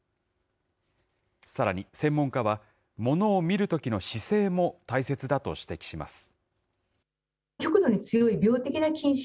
さらに専門家は、ものを見るときの姿勢も大切だと指摘します。